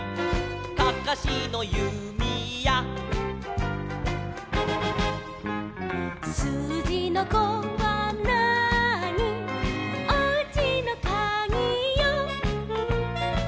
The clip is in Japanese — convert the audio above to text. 「かかしのゆみや」「すうじの５はなーに」「おうちのかぎよ」